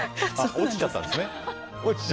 落ちちゃったんですね。